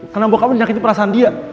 karena bokap lo yang nyakitin perasaan dia